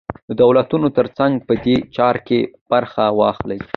د دولتونو تر څنګ په دې چاره کې برخه واخلي.